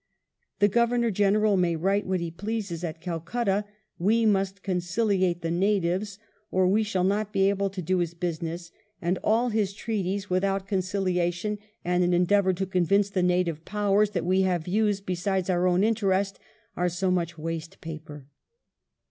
" The Governor General may write what he pleases at Calcutta ; we must con ciliate the natives, or we shall not be able to do his business ; and all his treaties, without conciliation and a 82 WELLINGTON an endeavour to convince the Native Powers that we have views besides our own interest, are so much waste paper."